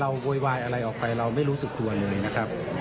โวยวายอะไรออกไปเราไม่รู้สึกตัวเลยนะครับ